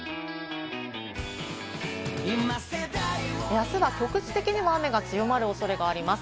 あすは局地的に雨が強まるおそれがあります。